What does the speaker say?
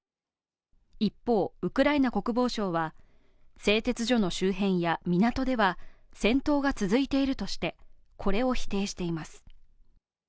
一方、ウクライナ国防省は製鉄所の周辺や港では戦闘が続いているとして、これを否定しています。